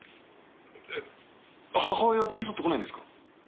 えっ母親は付き添ってこないんですか？